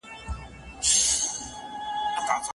چیرته کولای سو رسمي سفر په سمه توګه مدیریت کړو؟